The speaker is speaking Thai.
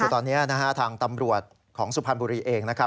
ตอนนี้ทางตำรวจสุพรณบุรีเอง